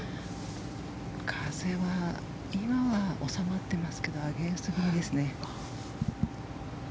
風は今は収まってますがアゲンスト気味ですね。